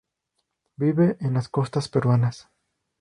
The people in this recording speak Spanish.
Vive en las costas peruanas.